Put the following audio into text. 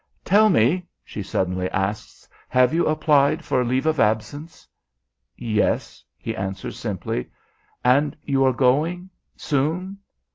"Tell me," she suddenly asks, "have you applied for leave of absence?" "Yes," he answers, simply. "And you are going soon?"